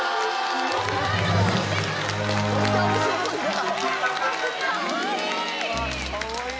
かわいい！